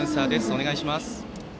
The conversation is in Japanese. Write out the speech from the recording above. お願いします。